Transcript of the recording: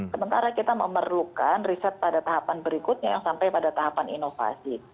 sementara kita memerlukan riset pada tahapan berikutnya yang sampai pada tahapan inovasi